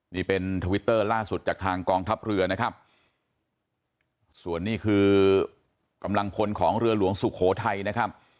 นี่เป็นทวิตเตอร์ล่าสุดจากทางกองทัพเรือนะครับส่วนนี้คือกำลังพลของเรือหลวงสุโขทัยนะครับ